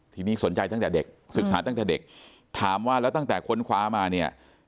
ทีนี้สนใจตั้งแต่เด็กศึกษาตั้งแต่เด็กถามว่าแล้วตั้งแต่ค้นคว้ามาเนี่ย